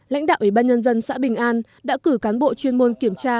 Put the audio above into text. lãnh đạo ủy ban nhân dân xã bình an đã cử cán bộ chuyên môn kiểm tra